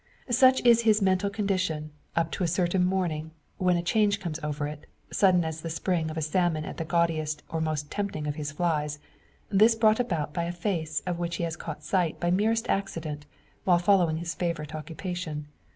Such is his mental condition, up to a certain morning; when a change comes over it, sudden as the spring of a salmon at the gaudiest or most tempting of his flies this brought about by a face, of which he has caught sight by merest accident, and while following his favourite occupation.